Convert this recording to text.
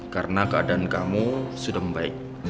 karena keadaan kamu sudah membaik